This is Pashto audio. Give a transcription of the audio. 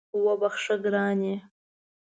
وبخښه ګرانې